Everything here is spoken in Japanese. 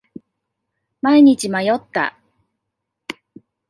毎日迷った。